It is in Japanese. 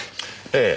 ええ。